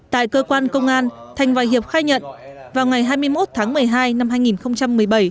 tại cơ quan công an thành và hiệp khai nhận vào ngày hai mươi một tháng một mươi hai năm hai nghìn một mươi bảy